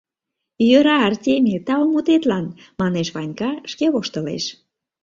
— Йӧра, Артемий, тау мутетлан, — манеш Ванька, шке воштылеш.